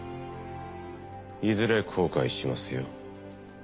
いずれ後悔しますよ。